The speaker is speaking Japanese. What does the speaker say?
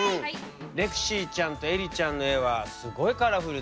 レクシーちゃんとえりちゃんの絵はすこいカラフルだね。